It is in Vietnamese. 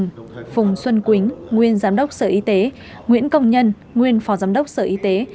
phùng xuân quỳnh nguyên giám đốc sở y tế nguyễn công nhân nguyên phó giám đốc sở y tế